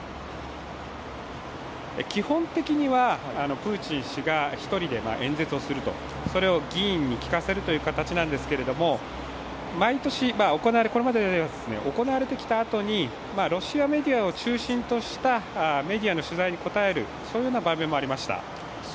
基本的にはプーチン氏が１人で演説をすると、それを議員に聞かせるという形なんですけれども、毎年、これまで行われてきたあとにロシアメディアを中心としたものに応える、そういうような場面もありました。